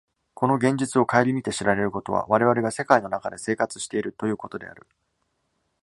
この現実を顧みて知られることは、我々が世界の中で生活しているということである。